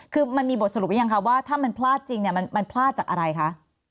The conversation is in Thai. คือมันมีบทสรุปหรือยังคะว่าถ้ามันพลาดจริงเนี่ยมันพลาดจากอะไรคะ